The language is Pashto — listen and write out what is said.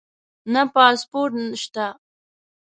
نه پاسپورټ شته